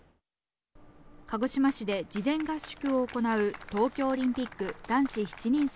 鹿児島市で事前合宿を行う、東京オリンピック、男子７人制